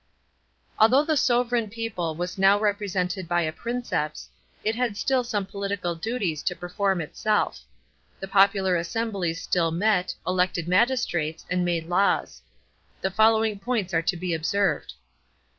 § 2. Though the sovran people was now represented by the Princeps, it had still some political duties to perform itself. The popular assemblies still met, elected magistrates, and made laws. The following points are to be observed.